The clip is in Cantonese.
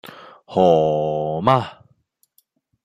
何~~~媽